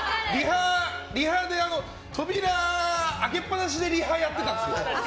リハで扉を開けっ放しでやってたんですよ。